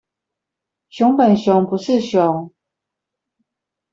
熊本熊不是熊